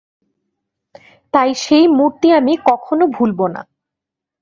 তাই সেই মূর্তি আমি কখনো ভুলব না।